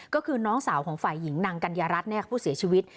ก็คือน้องสาวของฝ่ายหญิงนางกัญญารัฐผู้เสียชีวิต